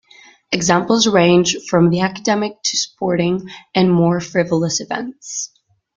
Examples range from the academic to sporting and more frivolous events.